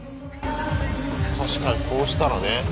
確かにこうしたらね。